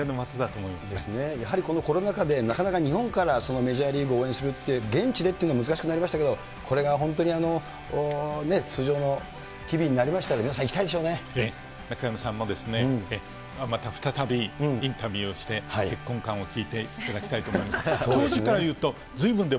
そうですね、やはり、このコロナ禍で、なかなか日本からメジャーリーグを応援するって、現地でっていうのは難しくなりましたけど、これが本当に通常の日々になりましたら、中山さんもですね、また再びインタビューして、結婚観を聞いていただきたいと思います。